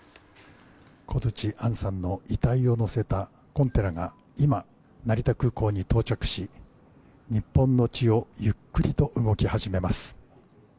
小槌杏さんの遺体を乗せたコンテナが今、成田空港に到着し日本の地をゆっくりと動き始めます。